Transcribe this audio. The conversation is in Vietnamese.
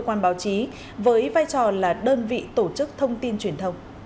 cơ quan báo chí với vai trò là đơn vị tổ chức thông tin truyền thông